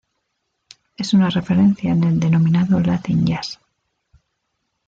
Es una referencia en el denominado "latin jazz".